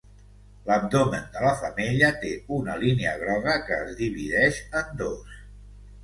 L'abdomen de la femella té una línia groga que es divideix en dos.